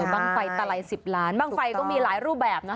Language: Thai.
บ้างไฟตะไล๑๐ล้านบ้างไฟก็มีหลายรูปแบบนะ